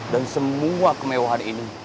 dan semua kemewahan ini